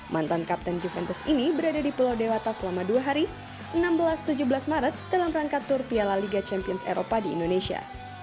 mantan kapten juventus ini berada di pulau dewata selama dua hari enam belas tujuh belas maret dalam rangka tur piala liga champions eropa di indonesia